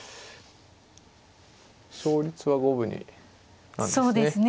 勝率は五分になんですね。